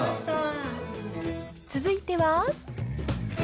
続いては。